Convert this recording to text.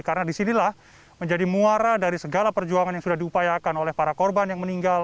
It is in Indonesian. karena di sinilah menjadi muara dari segala perjuangan yang sudah diupayakan oleh para korban yang meninggal